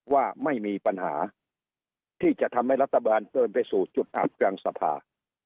ว่าไม่มีปัญหาที่จะทำให้รัฐบาลเดินไปสู่จุดอาบกลางสภา